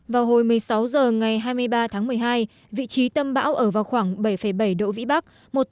vào hồi một mươi sáu h ngày hai mươi ba tháng một mươi hai vị trí tâm bão ở vào khoảng bảy bảy độ vĩ bắc